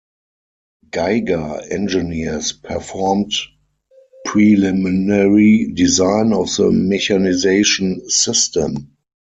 Geiger Engineers Performed preliminary design of the mechanization system.